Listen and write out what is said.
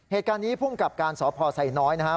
เหตุการณ์นี้ภูมิกับการสพไซน้อยนะครับ